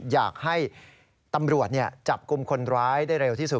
อยากให้ตำรวจจับกลุ่มคนร้ายได้เร็วที่สุด